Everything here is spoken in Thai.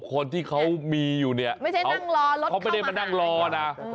คนที่เขามีอยู่เนี่ยเขาไม่ได้มานั่งรอนะ